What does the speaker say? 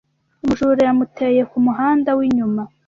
Umujura yamuteye kumuhanda winyuma.